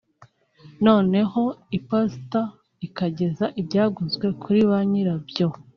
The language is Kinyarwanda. noneho iposita ikageza ibyaguzwe kuri ba nyirabyo